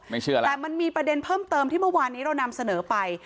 เชื่อแล้วแต่มันมีประเด็นเพิ่มเติมที่เมื่อวานนี้เรานำเสนอไป